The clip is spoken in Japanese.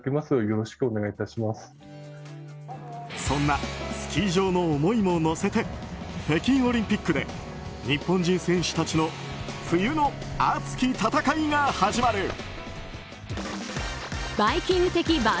そんなスキー場の思いも乗せて北京オリンピックで日本人選手たちの冬の熱き戦いが始まる。